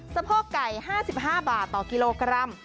สะโพกไก่๕๕บาทต่อกิโลกรัม